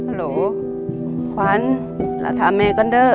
ฮัลโหลควันเลอะท้าแม่ก่อนเนี่ย